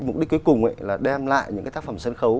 mục đích cuối cùng là đem lại những cái tác phẩm sân khấu